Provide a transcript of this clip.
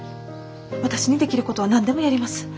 私にできることは何でもやります。